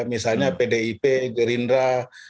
misalnya pdip gerindra